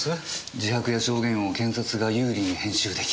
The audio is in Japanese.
自白や証言を検察が有利に編集できるなんて。